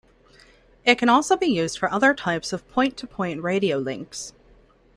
It can also be used for other types of point-to-point radio links.